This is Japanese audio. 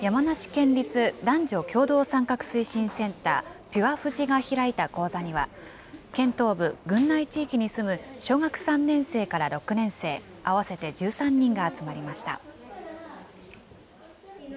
山梨県立男女共同参画推進センターぴゅあ富士が開いた講座には、県東部、郡内地域に住む小学３年生から６年生合わせて１３人が集まりました。